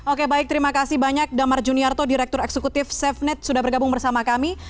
oke baik terima kasih banyak damar juniarto direktur eksekutif safenet sudah bergabung bersama kami